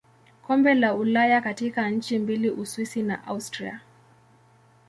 Kombe la Ulaya katika nchi mbili Uswisi na Austria.